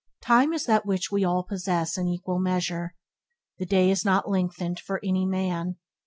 Time is that which we all possess in equal measure. The day is not lengthened for any man.